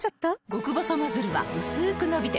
極細ノズルはうすく伸びて